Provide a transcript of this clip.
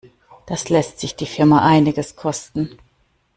Das lässt sich die Firma einiges kosten.